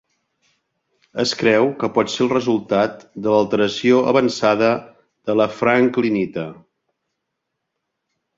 Es creu que pot ser el resultat de l'alteració avançada de la franklinita.